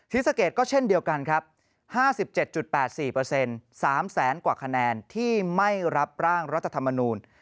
ศรีสะเกดก็เช่นเดียวกันครับ๕๗๘๔๓แสนกว่าคะแนนที่ไม่รับร่างรัฐธรรมนูล